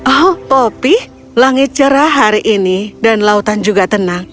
oh kopi langit cerah hari ini dan lautan juga tenang